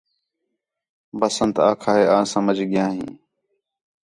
بسنت آکھا ہے آں سمھ ڳِیا ہین